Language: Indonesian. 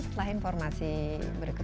setelah informasi berikut